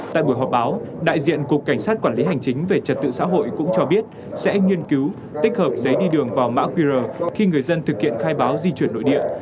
tại buổi họp báo đại diện cục cảnh sát quản lý hành chính về trật tự xã hội cũng cho biết sẽ nghiên cứu tích hợp giấy đi đường vào mã qr khi người dân thực hiện khai báo di chuyển nội địa